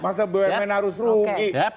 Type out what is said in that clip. masa bbm harus rugi